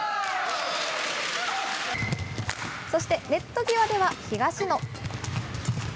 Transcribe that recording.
そして、ネット際では東野。